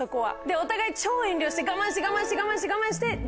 お互い超遠慮して我慢して我慢して我慢して。